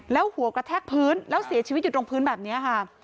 แล้วหัวกระแทกพื้นแล้วเสียชีวิตอยู่ตรงพื้นแบบนี้ค่ะ